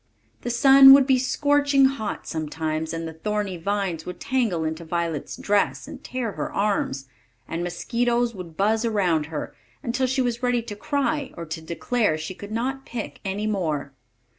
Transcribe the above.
The sun would be scorching hot sometimes, and the thorny vines would tangle into Violet's dress and tear her arms, and mosquitos would buzz around her, until she was ready to cry or to declare she could not pick any more.